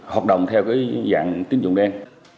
hoạt động theo cái dạng tín dụng đen